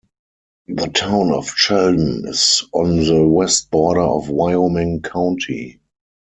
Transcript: The Town of Sheldon is on the west border of Wyoming County.